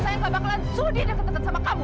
saya gak bakalan sudi dan ketetet sama kamu